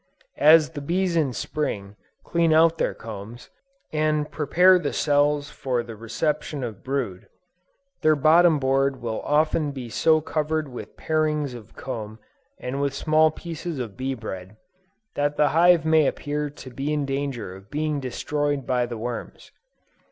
As the bees in Spring, clean out their combs, and prepare the cells for the reception of brood, their bottom board will often be so covered with parings of comb and with small pieces of bee bread, that the hive may appear to be in danger of being destroyed by the worms.